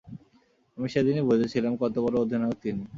আমি সেদিনই বুঝেছিলাম কত বড় অধিনায়ক তিনি।